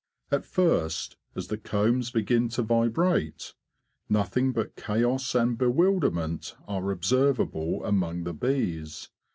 At first, as the combs begin to vibrate, nothing but chaos and bewilderment are observable among the bees.